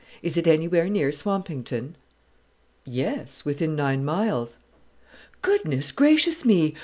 Is it anywhere near Swampington?" "Yes; within nine miles." "Goodness gracious me!